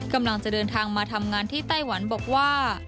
กำลังจะเดินทางมาทำงานที่ไต้หวันบอกว่า